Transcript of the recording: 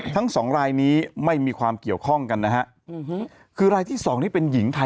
ทั้ง๒รายนี้ไม่มีความเกี่ยวข้องกันนะฮะ